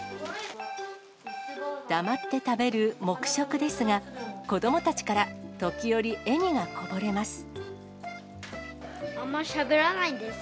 黙って食べる黙食ですが、子どもたちから時折、笑みがこぼれます。